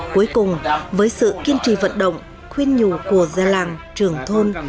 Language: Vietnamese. cuối cùng với sự kiên trì vận động khuyên nhủ của gia làng trường thôn